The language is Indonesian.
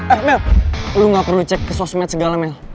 eh mell lo gak perlu cek ke sosmed segala mel